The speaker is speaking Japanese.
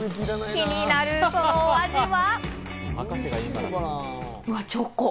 気になるそのお味は？